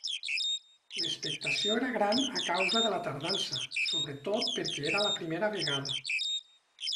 L'expectació era gran a causa de la tardança, sobretot perquè era la primera vegada.